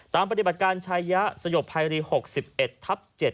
ตามปฏิบัติการใช้ยะสยบภายวิธี๖๑ทับ๗